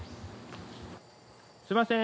すみません。